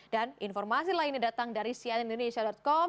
dan informasi lainnya datang dari sianindonesia com